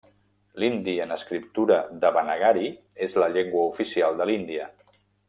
L'hindi en escriptura devanagari és la llengua oficial de l'Índia.